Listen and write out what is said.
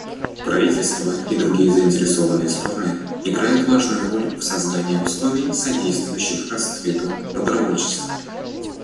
Правительства и другие заинтересованные стороны играют важную роль в создании условий, содействующих расцвету добровольчества.